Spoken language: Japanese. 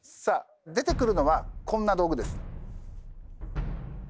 さあ出てくるのはこんな道具です。